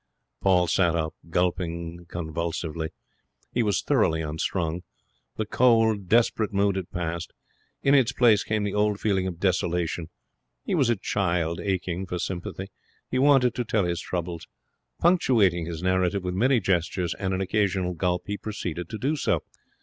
Paul sat up, gulping convulsively. He was thoroughly unstrung. The cold, desperate mood had passed. In its place came the old feeling of desolation. He was a child, aching for sympathy. He wanted to tell his troubles. Punctuating his narrative with many gestures and an occasional gulp, he proceeded to do so.